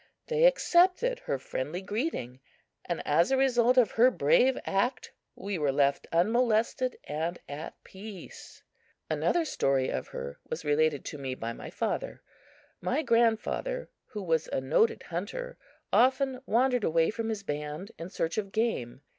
They accepted her friendly greeting; and as a result of her brave act we were left unmolested and at peace. Another story of her was related to me by my father. My grandfather, who was a noted hunter, often wandered away from his band in search of game.